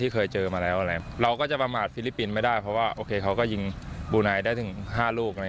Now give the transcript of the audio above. ก็จะประมาทฟิลิปปินส์ไม่ได้เพราะว่าเขาก็ยิงบูนายได้ถึง๕ลูก